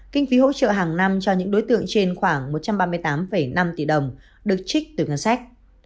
kinh phí hỗ trợ hàng năm cho những đối tượng trên khoảng một trăm ba mươi tám năm tỷ đồng được trích từ ngân sách